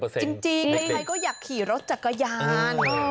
จริงใครก็อยากขี่รถจักรยาน